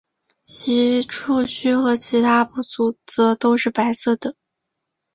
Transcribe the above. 其触须和其他步足则都是白色的。